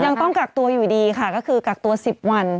ยังต้องกักตัวอยู่ดีค่ะก็คือกักตัว๑๐วัน